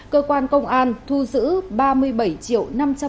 cơ quan công an thu giữ ba mươi bảy triệu